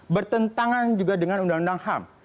bertentangan juga dengan undang undang ham